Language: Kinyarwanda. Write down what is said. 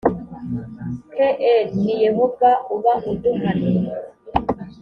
kr ni yehova uba uduhannye